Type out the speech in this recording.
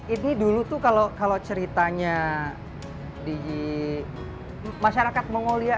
ini dulu tuh kalau ceritanya di masyarakat mongolia